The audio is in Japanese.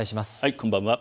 こんばんは。